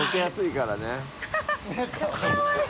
かわいい。